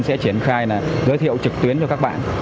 sẽ triển khai là giới thiệu trực tuyến cho các bạn